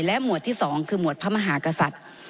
หมวดที่๒คือหมวดพระมหากษัตริย์